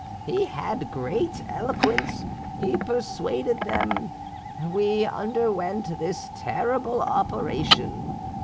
"He had great eloquence; he persuaded them; we underwent this terrible operation.